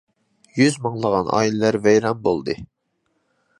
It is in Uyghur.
يۈز مىڭلىغان ئائىلىلەر ۋەيران بولدى.